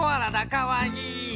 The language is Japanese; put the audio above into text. かわいい！